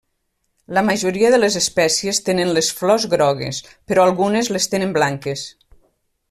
La majoria de les espècies tenen les flors grogues però algunes les tenen blanques.